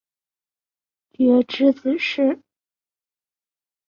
傕之子式。